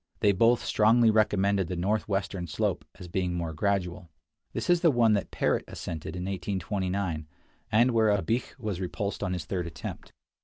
They both strongly recommended the northwestern slope as being more gradual. This is the one that Parrot ascended in 1 829, and where Abich was repulsed on his third attempt.